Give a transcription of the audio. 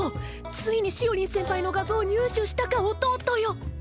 ついにしおりん先輩の画像を入手したか弟よ！